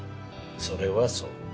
それはそう。